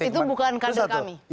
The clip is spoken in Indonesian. itu bukan kader kami